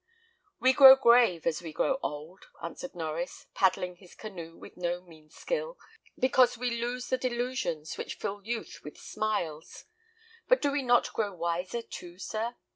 "We grow grave as we grow old," answered Norries, paddling his canoe with no mean skill, "because we lose the delusions which fill youth with smiles; but do we not grow wiser too, sir?